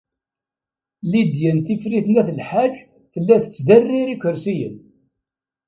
Lidya n Tifrit n At Lḥaǧ tella tettderrir ikersiyen.